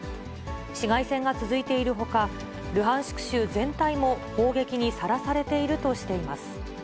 市街戦が続いているほか、ルハンシク州全体も砲撃にさらされているとしています。